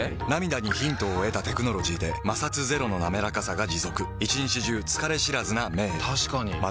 涙にヒントを得たテクノロジーで摩擦ゼロのなめらかさが持続一日中疲れ知らずな目へ確かに。